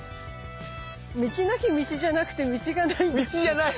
道なき道じゃなくて道がないんですよ。